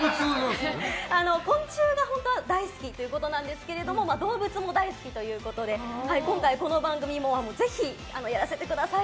昆虫が本当は大好きということなんですけど動物も大好きということで今回、この番組もぜひ、やらせてください！